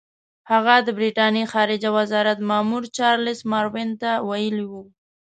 هغه د برټانیې خارجه وزارت مامور چارلس ماروین ته ویلي وو.